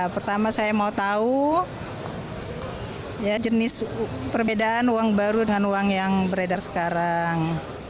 pertama saya mau tahu jenis perbedaan uang baru dengan uang yang beredar sekarang